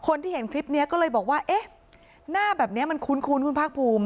คนที่เห็นคลิปนี้ก็เลยบอกว่าเอ๊ะหน้าแบบนี้มันคุ้นคุณภาคภูมิ